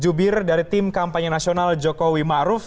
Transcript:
jubir dari tim kampanye nasional jokowi maruf